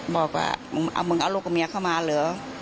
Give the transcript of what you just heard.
บอกว่ามึงเอามึงเอาลูกกับเมียเข้ามาเหรอ